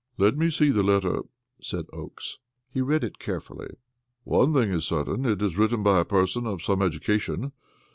"Let me see the letter," said Oakes. He read it carefully. "One thing is certain it is written by a person of some education.